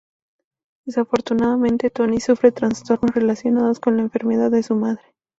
Desafortunadamente, Tony sufre trastornos relacionados con la enfermedad de su madre.